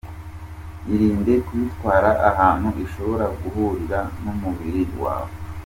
Irinde kuyitwara ahantu ishobora guhurira n’umubiri wawe.